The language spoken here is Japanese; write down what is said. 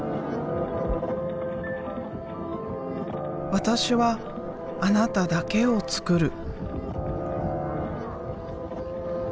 私はあなただけをつくる。